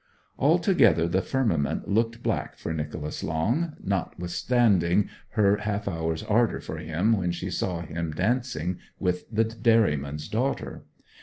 Altogether the firmament looked black for Nicholas Long, notwithstanding her half hour's ardour for him when she saw him dancing with the dairyman's daughter.